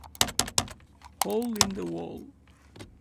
Hole in the Wall